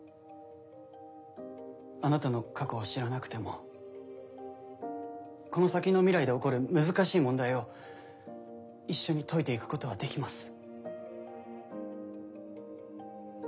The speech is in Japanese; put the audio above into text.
あなたの過去を知らなくてもこの先の未来で起こる難しい問題を一緒に解いて行くことはできます。